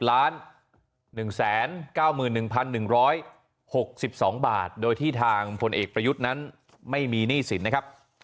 ๑๙๑๑๖๒บาทโดยที่ทางพลเอกประยุทธ์นั้นไม่มีหนี้สินนะครับ